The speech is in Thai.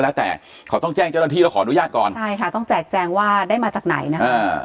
แล้วแต่เขาต้องแจ้งเจ้าหน้าที่แล้วขออนุญาตก่อนใช่ค่ะต้องแจกแจงว่าได้มาจากไหนนะคะอ่า